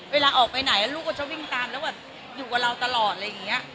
เวลาออกไปไหนลูกก็จะวิ่งตามแล้วแบบอยู่กับเราตลอดอะไรอย่างนี้